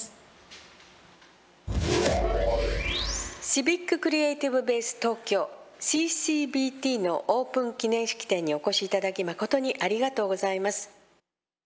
シビック・クリエイティブ・ベース東京ＣＣＢＴのオープン記念式典にお越しいただき誠にありがとうございます。